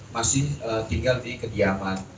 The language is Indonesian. masih tinggal di kediaman